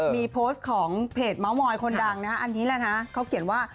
มีโพสต์ของเพจเมาส์มอยคนดังนะฮะอันนี้แหละนะเขาเขียนว่า